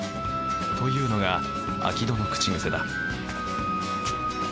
というのが明戸の口癖だ